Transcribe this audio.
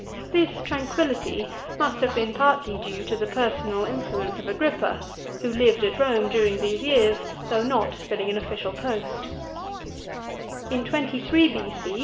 This tranquillity must have been partly due to the personal influence of Agrippa, who lived at Borne during these years, though not filling an official post* In 23 B.C.